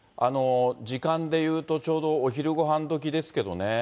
時間で言うと、ちょうどお昼ごはんどきですけどね。